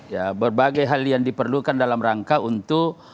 ya berbagai hal yang diperlukan dalam rangka untuk